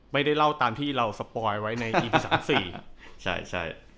ไม่ได้เล่าตามที่เราสปอยไว้ในอันที่๓๔